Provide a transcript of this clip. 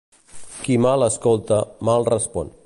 Qui mal escolta, mal respon.